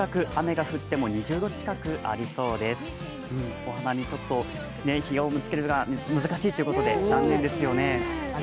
お花見、ちょっと日を見つけるのが難しいということで残念ですよね。